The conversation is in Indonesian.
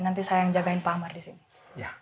nanti saya yang jagain pak amar disini